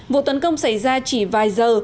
vụ tấn công xảy ra chỉ vài giờ